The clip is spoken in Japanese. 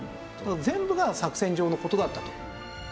全部が作戦上の事だったと。